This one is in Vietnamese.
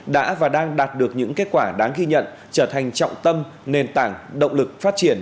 đã và đang đạt được những kết quả đáng ghi nhận trở thành trọng tâm nền tảng động lực phát triển